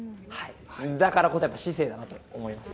だからこそ市政だなと思いました。